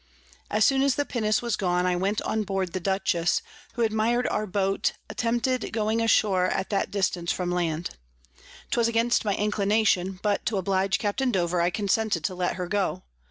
As soon as the Pinnace was gone, I went on board the Dutchess, who admir'd our Boat attempted going ashore at that distance from Land: 'twas against my Inclination, but to oblige Capt. Dover I consented to let her go.